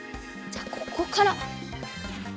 じゃあここから！